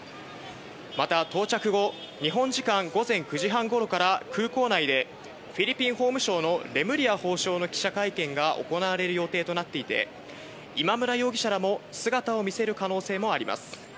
また到着後、日本時間午前９時半頃から空港内でフィリピン法務省のレムリヤ法相の記者会見が行われる予定となっていて、今村容疑者らも姿を見せる可能性もあります。